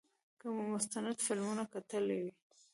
که مو مستند فلمونه کتلي وي.